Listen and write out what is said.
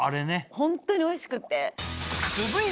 ホントにおいしくて。